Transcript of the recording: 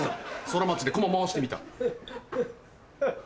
ソラマチでこま回してみた。